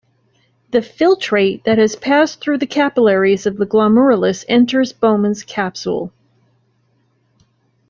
The filtrate that has passed through the capillaries of the glomerulus enters Bowman's capsule.